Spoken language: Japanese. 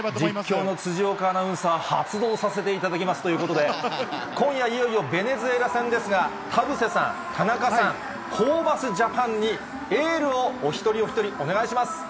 実況の辻岡アナウンサー、発動させていただきますということで、今夜いよいよベネズエラ戦ですが、田臥さん、田中さん、ホーバスジャパンにエールをお一人お一人、お願いします。